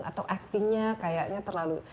atau actingnya kayaknya terlalu